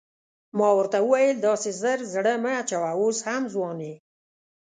ما ورته وویل داسې ژر زړه مه اچوه اوس هم ځوان یې.